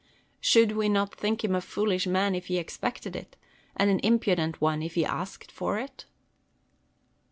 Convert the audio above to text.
Should we not think him a foolish man if he expected it, and an impudent one if he asked it?